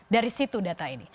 dari situ data ini